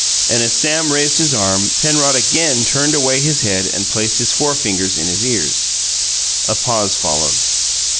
And as Sam raised his arm, Penrod again turned away his head and placed his forefingers in his ears. A pause followed.